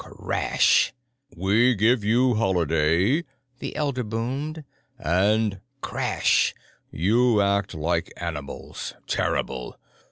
Crash! "We give you Holiday," the elder boomed, "and——" crash "——you act like animals. Terrible!